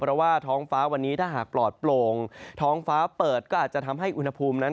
เพราะว่าท้องฟ้าวันนี้ถ้าหากปลอดโปร่งท้องฟ้าเปิดก็อาจจะทำให้อุณหภูมินั้น